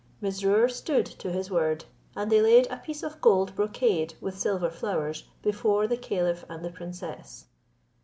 Mesrour stood to his word; and they laid a piece of gold brocade with silver flowers before the caliph and the princess.